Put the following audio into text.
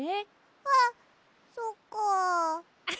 あっそっかあ。